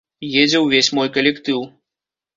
Едзе ўвесь мой калектыў.